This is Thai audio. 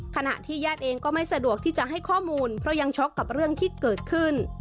ขณะที่ญาติเองก็ไม่สะดวกที่จะให้ข้อมูลเพราะยังช็อกกับเรื่องที่เกิดขึ้น